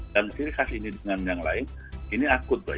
dan ciri khas ini dengan yang lain ini akut mbak